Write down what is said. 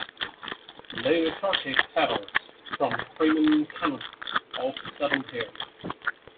Later Turkic Tatars from the Crimean Khanate also settled here.